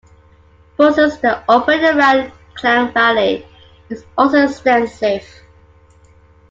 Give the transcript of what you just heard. Buses that operate around Klang Valley is also extensive.